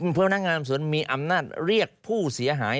พนักงานสวนมีอำนาจเรียกผู้เสียหาย